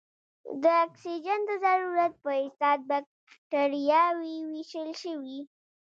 د اکسیجن د ضرورت په اساس بکټریاوې ویشل شوې.